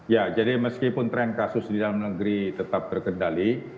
ya jadi meskipun tren kasus di dalam negeri tetap terkendali